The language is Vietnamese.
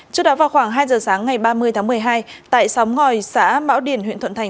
trước đó vào khoảng hai giờ sáng ngày ba mươi tháng một mươi hai tại xóm ngòi xã mão điền huyện thuận thành